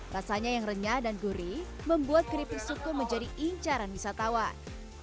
rasanya yang renyah dan gurih membuat keripik suku menjadi incaran wisatawan